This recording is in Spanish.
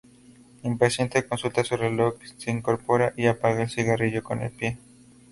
Impaciente consulta su reloj, se incorpora y apaga el cigarrillo con el pie.